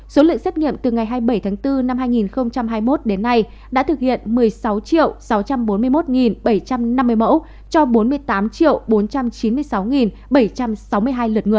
số lượng xét nghiệm từ ngày hai mươi bảy tháng bốn năm hai nghìn hai mươi một đến nay đã thực hiện một mươi sáu sáu trăm bốn mươi một bảy trăm năm mươi mẫu cho bốn mươi tám bốn trăm chín mươi sáu bảy trăm sáu mươi hai lượt người